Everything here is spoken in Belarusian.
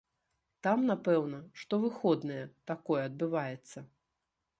Там, напэўна, штовыходныя такое адбываецца.